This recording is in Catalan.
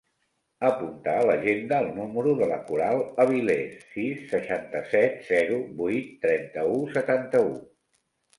Apunta a l'agenda el número de la Coral Aviles: sis, seixanta-set, zero, vuit, trenta-u, setanta-u.